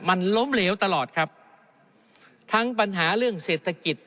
มันล้มเหลวตลอดครับทั้งปัญหาเรื่องเศรษฐกิจ